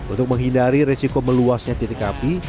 untuk menghindari resiko meluasnya titik api